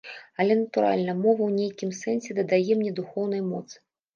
Але, натуральна, мова ў нейкім сэнсе дадае мне духоўнай моцы.